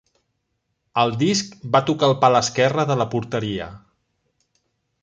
El disc va tocar el pal esquerre de la porteria.